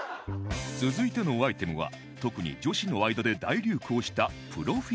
続いてのアイテムは特に女子の間で大流行したプロフィール帳